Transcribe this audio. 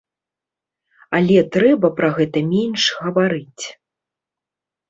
Але трэба пра гэта менш гаварыць.